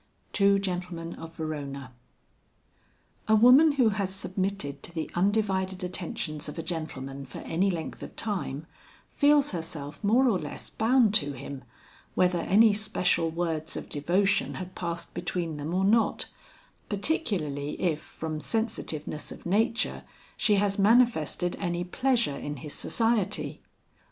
TWO GENTLEMEN OF VERONA. A woman who has submitted to the undivided attentions of a gentleman for any length of time, feels herself more or less bound to him, whether any special words of devotion have passed between them or not, particularly if from sensitiveness of nature, she has manifested any pleasure in his society.